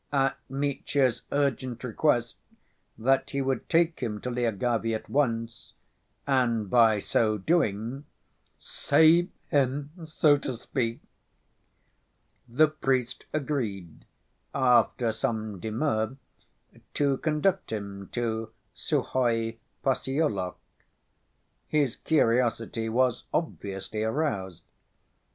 At Mitya's urgent request that he would take him to Lyagavy at once, and by so doing "save him, so to speak," the priest agreed, after some demur, to conduct him to Suhoy Possyolok; his curiosity was obviously aroused.